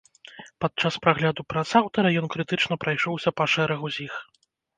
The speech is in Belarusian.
Падчас прагляду прац аўтара ён крытычна прайшоўся па шэрагу з іх.